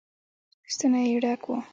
ستونی يې ډک و.